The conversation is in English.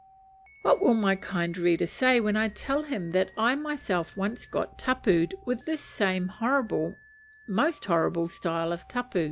What will my kind reader say when I tell him that I myself once got tapu'd with this same horrible, most horrible, style of tapu?